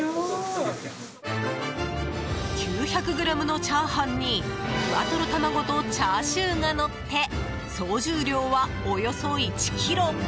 ９００ｇのチャーハンにふわとろ卵とチャーシューがのって総重量は、およそ１ｋｇ！